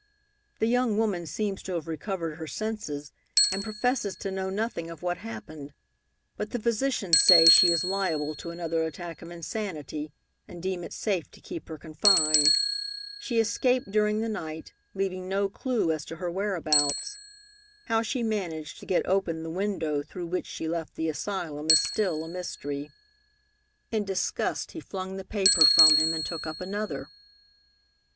The young woman seems to have recovered her senses, and professes to know nothing of what happened, but the physicians say she is liable to another attack of insanity, and deem it safe to keep her confined. She escaped during the night, leaving no clew to her whereabouts. How she managed to get open the window through which she left the asylum is still a mystery. In disgust he flung the paper from him and took up another.